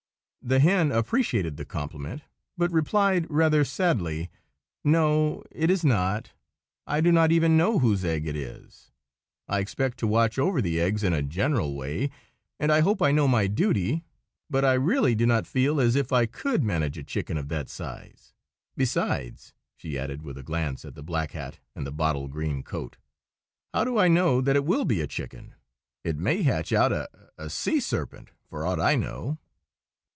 The hen appreciated the compliment, but replied, rather sadly, "No, it is not. I do not even know whose egg it is. I expect to watch over the eggs in a general way, and I hope I know my duty; but I really do not feel as if I could manage a chicken of that size. Besides," she added, with a glance at the black hat and the bottle green coat, "how do I know that it will be a chicken? It may hatch out a—a—sea serpent, for aught I know."